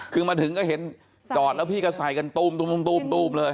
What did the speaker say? คือมาถึงก็เห็นจอดแล้วพี่ก็ใส่กันตูมเลย